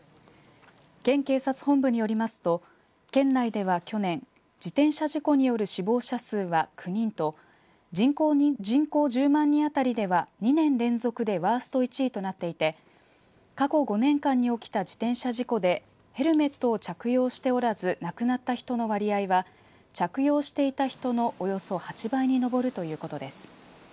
県警察本部によりますと県内では去年自転車事故による死亡者数は９人と人口１０万人当たりでは２年連続でワースト１位となっていて過去５年間に起きた自転車事故でヘルメットを着用しておらず亡くなった人の割合は着用していた人の、およそ８倍に上るということです。